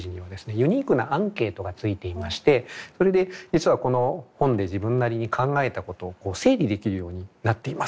ユニークなアンケートが付いていましてそれで実はこの本で自分なりに考えたことを整理できるようになっています。